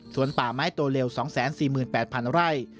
ส่วนป่าไม้โตเลว๒๔๘๐๐๐ไร่